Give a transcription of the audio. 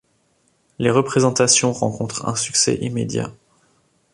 Les représentations rencontrent un succès immédiat.